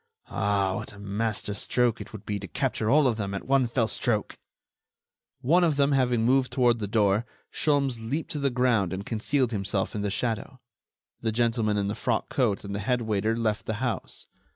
Ah! what a master stroke it would be to capture all of them at one fell stroke!" One of them, having moved toward the door, Sholmes leaped to the ground and concealed himself in the shadow. The gentleman in the frock coat and the head waiter left the house.